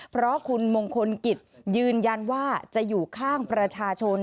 เพราะคุณมงคลกิจยืนยันว่าจะอยู่ข้างประชาชน